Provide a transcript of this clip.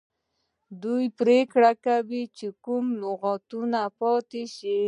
دوی پریکړه کوي چې کوم لغت پاتې شي.